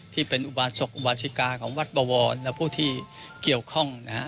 ที่เป็นอุบาสิกาของวัดบวรและผู้ที่เกี่ยวข้องนะฮะ